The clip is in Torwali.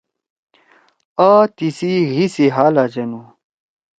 آ تیسی حی سی حالا جنو